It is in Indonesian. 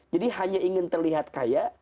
jadi hanya ingin terlihat kaya